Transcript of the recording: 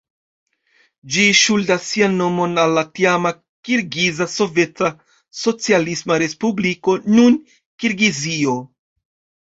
Ĝi ŝuldas sian nomon al la tiama Kirgiza Soveta Socialisma Respubliko, nun Kirgizio.